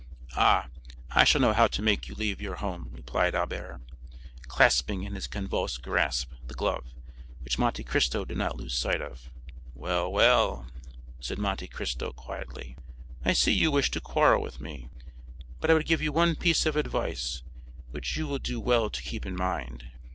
"Ah, I shall know how to make you leave your home!" replied Albert, clasping in his convulsed grasp the glove, which Monte Cristo did not lose sight of. "Well, well," said Monte Cristo quietly, "I see you wish to quarrel with me; but I would give you one piece of advice, which you will do well to keep in mind.